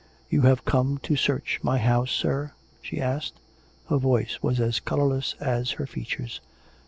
"You have come to search my house, sir?" she asked. Her voice was as colourless as her features.